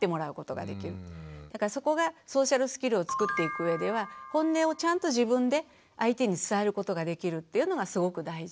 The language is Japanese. だからそこがソーシャルスキルを作っていく上ではホンネをちゃんと自分で相手に伝えることができるっていうのがすごく大事。